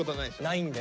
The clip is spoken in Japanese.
ないんで。